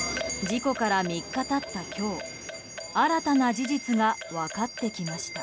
事故から３日経った今日新たな事実が分かってきました。